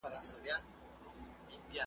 سړي وویل راغلی مسافر یم .